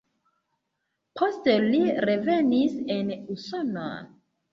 Poste li revenis en Usonon.